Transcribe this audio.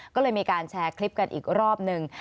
ก็เลยมีการแชร์คลิปกันอีกรอบหนึ่ง